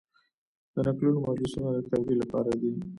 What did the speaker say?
د نکلونو مجلسونه د تربیې لپاره دي.